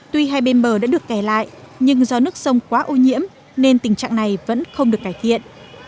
tuy hai bên bờ đã được kẻ lại nhưng do nước sông quá ô nhiễm nên tình trạng này vẫn không được cải thiện